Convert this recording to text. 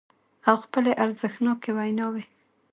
او خپلې ارزښتناکې ويناوې